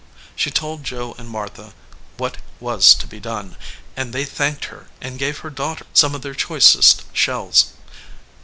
She told Joe and Martha what was to be done, and they thanked her and gave her daughter some of their choicest shells.